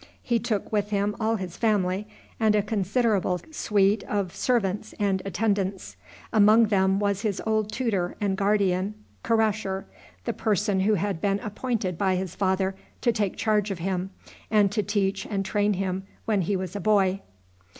He took with him all his family, and a considerable suite of servants and attendants. Among them was his old tutor and guardian Karasher, the person who had been appointed by his father to take charge of him, and to teach and train him when he was a boy.